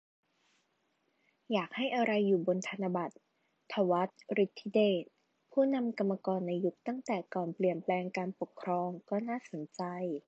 อยากให้อะไรอยู่บนธนบัตร - ถวัติ ฤทธิเดช ผู้นำกรรมกรในยุคตั้งแต่ก่อนเปลี่ยนแปลงการปกครอง ก็น่าสนใจ